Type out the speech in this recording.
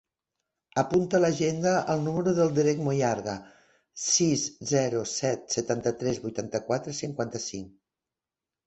Apunta a l'agenda el número del Derek Mayorga: sis, zero, set, setanta-tres, vuitanta-quatre, cinquanta-cinc.